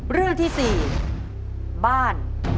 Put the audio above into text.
เรื่องที่๔บ้าน